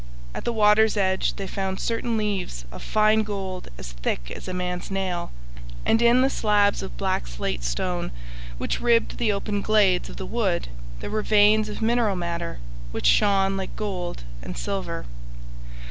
At the water's edge they found 'certain leaves of fine gold as thick as a man's nail,' and in the slabs of black slate stone which ribbed the open glades of the wood there were veins of mineral matter which shone like gold and silver.